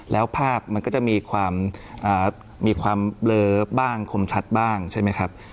แล้วภาพมันก็จะมีความมีความเบลอบ้างคมชัดบ้างใช่ไหมครับ